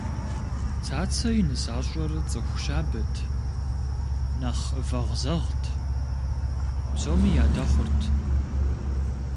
Цацэ и нысащӏэр цӏыху щабэт, нэхъ вэгъзэгът, псоми ядэхъурт.